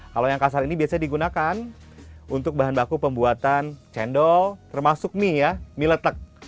kalau yang kasar ini biasanya digunakan untuk bahan baku pembuatan cendol termasuk mie ya mie letek